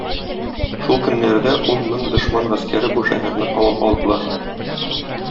Шул көннәрдә ун мең дошман гаскәре бу шәһәрне камап алдылар.